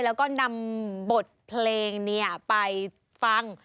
แล้วก็นำบทเพลงไปฟัง